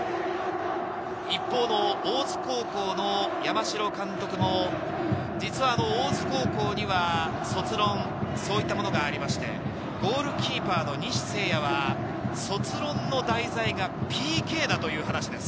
一方の大津高校の山城監督も実は大津高校には卒論、そういったものがありまして、ゴールキーパーの西星哉は卒論の題材が「ＰＫ」だという話です。